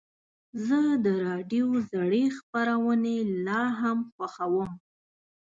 زه د راډیو زړې خپرونې لا هم خوښوم.